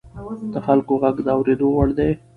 د خلکو غږ د اورېدو وړ دی